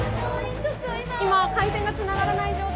今回線がつながらない状態で。